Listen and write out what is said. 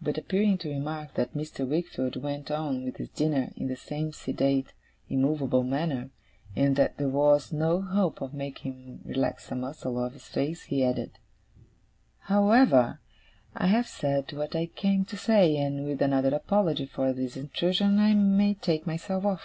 But appearing to remark that Mr. Wickfield went on with his dinner in the same sedate, immovable manner, and that there was no hope of making him relax a muscle of his face, he added: 'However, I have said what I came to say, and, with another apology for this intrusion, I may take myself off.